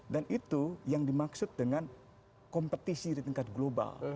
itu yang dimaksud dengan kompetisi di tingkat global